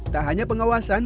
tak hanya pengawasan